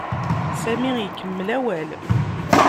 Sami ikemmel awal.